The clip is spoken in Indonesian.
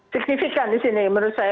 signifikan di sini menurut saya